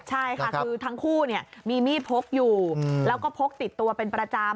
ใช่ค่ะคือทั้งคู่มีมีดพกอยู่แล้วก็พกติดตัวเป็นประจำ